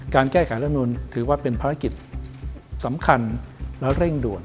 การแก้ไขรัฐมนุนถือว่าเป็นภารกิจสำคัญและเร่งด่วน